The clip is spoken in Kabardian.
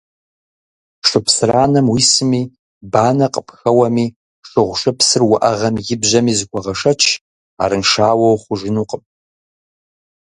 Шыпсыранэм уисми, банэ къыпхэуэми, шыгъушыпсыр уӏэгъэм ибжьэми, зыхуэгъэшэч, арыншауэ ухъужынукъым.